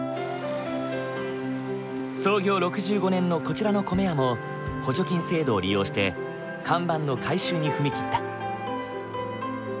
創業６５年のこちらの米屋も補助金制度を利用して看板の改修に踏み切った。